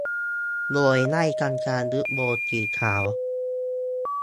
โดยได้ทำการยึดโบว์สีขาว